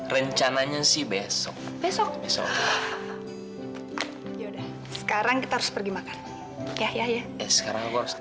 rencananya sih besok besok besok sekarang kita harus pergi makan ya ya sekarang harus